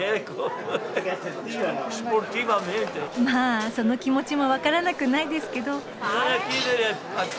まあその気持ちも分からなくないですけど。